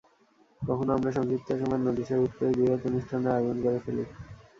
কখনো আমরা সংক্ষিপ্ত সময়ের নোটিশে হুট করেই বৃহৎ অনুষ্ঠানের আয়োজন করে ফেলি।